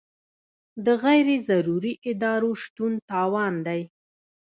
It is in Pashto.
د غیر ضروري ادارو شتون تاوان دی.